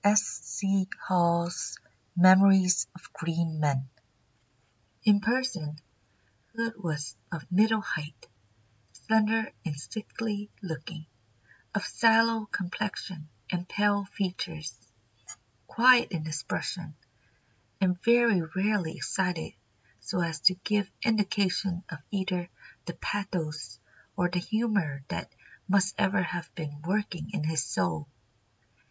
[Sidenote: S. C. Hall's Memories of Great Men.] "In person Hood was of middle height, slender and sickly looking, of sallow complexion and pale features, quiet in expression, and very rarely excited so as to give indication of either the pathos or the humour that must ever have been working in his soul.